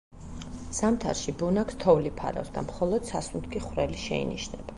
ზამთარში ბუნაგს თოვლი ფარავს და მხოლოდ სასუნთქი ხვრელი შეინიშნება.